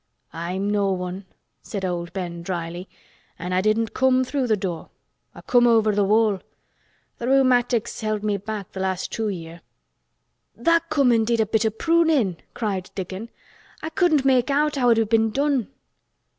"I'm no one," said old Ben dryly. "An' I didn't come through th' door. I come over th' wall. Th' rheumatics held me back th' last two year'." "Tha' come an' did a bit o' prunin'!" cried Dickon. "I couldn't make out how it had been done."